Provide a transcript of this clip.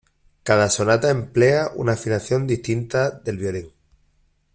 Cada sonata emplea una afinación distinta del violín.